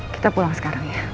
kita pulang sekarang ya